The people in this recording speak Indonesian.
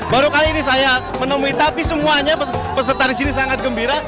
baru kali ini saya menemui tapi semuanya peserta di sini sangat gembira